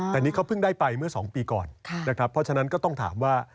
แต่นี่เขาเพิ่งได้ไปเมื่อ๒ปีก่อนนะครับเพราะฉะนั้นก็ต้องถามว่า